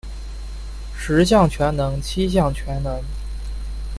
十项全能七项全能